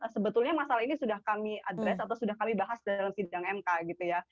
sebetulnya masalah ini sudah kami address atau sudah kami bahas dalam sidang mk gitu ya